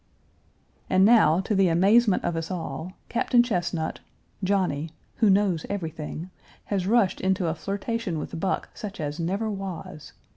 And now, to the amazement of us all, Captain Chesnut (Johnny) who knows everything, has rushed into a flirtation with Buck such as never was.